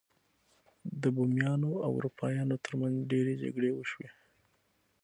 د بومیانو او اروپایانو ترمنځ ډیرې جګړې وشوې.